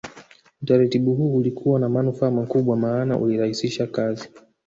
Utaratibu huu ulikuwa na manufaa makubwa maana ulirahisisha kazi